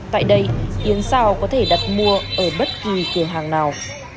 tại đây yến sao có thể đặt mua ở bất kỳ cửa hàng nào